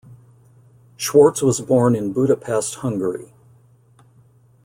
Schwartz was born in Budapest, Hungary.